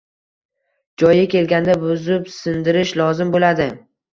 joyi kelganda buzib-sindirish lozim bo‘ladi.